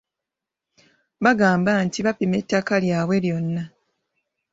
Bagamba nti baapima ettaka lyabwe lyona.